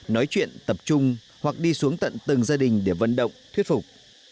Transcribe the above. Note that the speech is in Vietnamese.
nói chuyện tập trung hoặc đi xuống tận từng gia đình để vận động thuyết phục